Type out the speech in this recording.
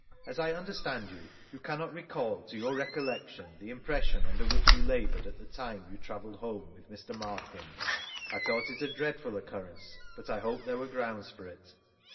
As I understand you, you cannot recall to your recollection the impres»on under which you laboured at the time you travelled home with Mr. Markland ?— I thought it a dread ful occurrence, but I hoped there were grounds for it.